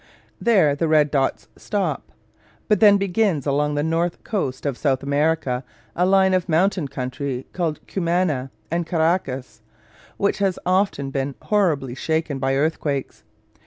There the red dots stop: but then begins along the north coast of South America a line of mountain country called Cumana, and Caraccas, which has often been horribly shaken by earthquakes.